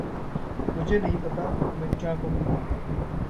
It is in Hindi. मुझे नहीं पता मैं क्या कहूँ।